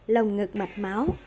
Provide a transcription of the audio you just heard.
lồng ngực mạch máu